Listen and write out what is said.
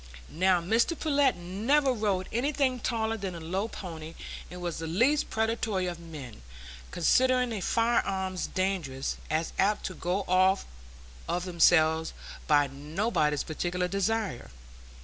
Now, Mr Pullet never rode anything taller than a low pony, and was the least predatory of men, considering firearms dangerous, as apt to go off of themselves by nobody's particular desire.